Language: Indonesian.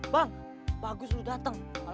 bang bagus lu dateng